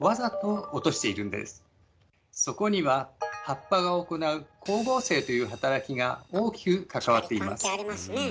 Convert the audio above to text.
そこには葉っぱが行う「光合成」という働きが大きく関わっています。